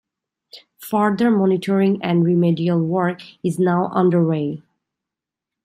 Further monitoring and remedial work is now under way.